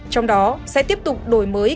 trong đó sẽ tiếp tục đổi mới